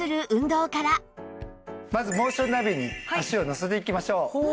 まずモーションナビに足をのせていきましょう。